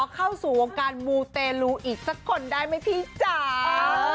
เข้าสู่วงการมูเตลูอีกสักคนได้ไหมพี่จ๋า